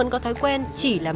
anh yên tâm